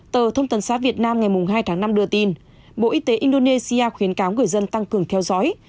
tờ thông tấn xã việt nam ngày hai tháng năm đưa tin bộ y tế indonesia khuyến cáo người dân tăng cường theo dõi